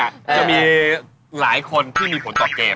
จะมีหลายคนที่มีผลต่อเกม